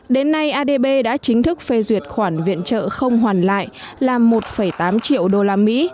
đến nay adb đã chính thức phê duyệt khoản viện trợ không hoàn lại là một tám triệu usd